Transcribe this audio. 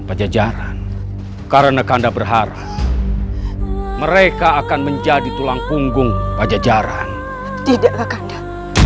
pejejaran karena kanda berharap mereka akan menjadi tulang punggung pejejaran tidak kakanda